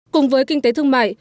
cùng với kinh tế thương mại